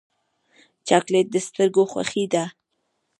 چاکلېټ د سترګو خوښي ده.